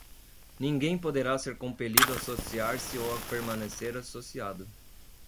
ninguém poderá ser compelido a associar-se ou a permanecer associado